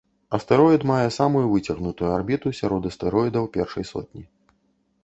Астэроід мае самую выцягнутую арбіту сярод астэроідаў першай сотні.